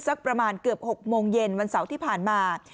สักประมาณเกือบ๖โมงเย็นวันเสาร์ที่ผ่านมา